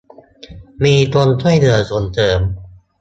มีคนช่วยเหลือส่งเสริม